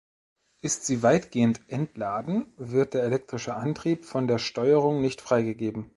Ist sie weitgehend entladen, wird der elektrische Antrieb von der Steuerung nicht freigegeben.